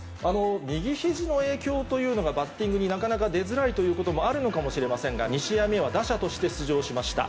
右ひじの影響というのがバッティングになかなか出づらいということもあるのかもしれませんが、２試合目は打者として出場しました。